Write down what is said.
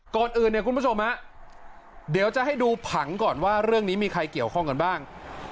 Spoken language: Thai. ก่อนอื่นเนี่ยคุณผู้ชมฮะเดี๋ยวจะให้ดูผังก่อนว่าเรื่องนี้มีใครเกี่ยวข้องกันบ้าง